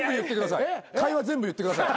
全部言ってください。